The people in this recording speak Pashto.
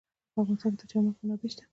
په افغانستان کې د چار مغز منابع شته.